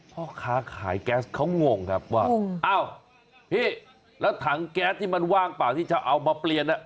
พ่อค้าขายแก๊สเขางงครับว่าอ้าวพี่แล้วถังแก๊สที่มันว่างเปล่าที่จะเอามาเปลี่ยน